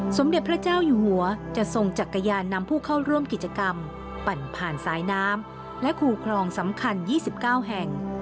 สมเด็จพระเจ้าอยู่หัวจะทรงจักรยานนำผู้เข้าร่วมกิจกรรมปั่นผ่านสายน้ำและคู่คลองสำคัญ๒๙แห่ง